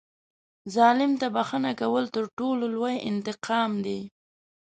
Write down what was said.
ظالم ته بښنه کول تر ټولو لوی انتقام دی.